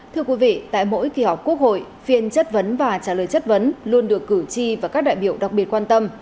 thưa quý vị tại mỗi kỳ họp quốc hội phiên chất vấn và trả lời chất vấn luôn được cử tri và các đại biểu đặc biệt quan tâm